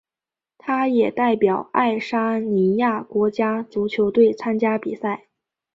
他也代表爱沙尼亚国家足球队参加比赛。